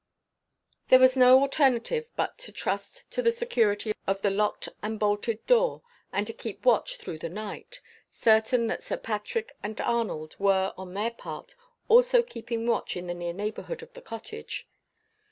There was no alternative but to trust to the security of the locked and bolted door, and to keep watch through the night certain that Sir Patrick and Arnold were, on their part, also keeping watch in the near neighborhood of the cottage.